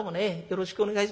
よろしくお願い。